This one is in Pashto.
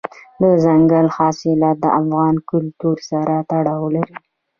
دځنګل حاصلات د افغان کلتور سره تړاو لري.